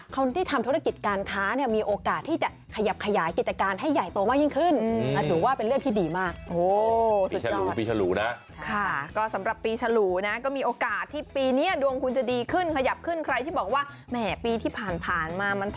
คนที่ทำธุรกิจการค้าเนี่ยมีโอกาสที่จะขยับขยายกิจการให้ใหญ่โตมากยิ่งขึ้น